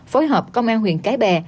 phối hợp công an huyện cái bè